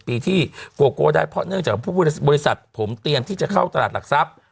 ปีที่โกโก้ได้เพราะเนื่องจากบริษัทผมเตรียมที่จะเข้าตลาดหลักทรัพย์